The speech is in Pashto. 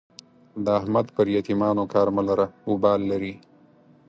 د احمد پر يتيمانو کار مه لره؛ اوبال لري.